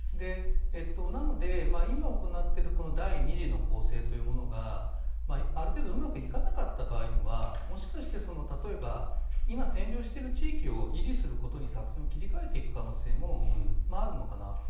なので、今行っているこの第２次の攻勢というものがある程度うまくいかなかった場合にはもしかしたら例えば今、占領している地域を維持することに作戦を切り替えていく可能性もあるのかなと。